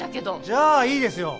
じゃあいいですよ！